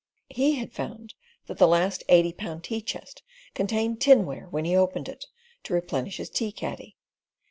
He had found that the last eighty pound tea chest contained tinware when he opened it to replenish his teacaddy.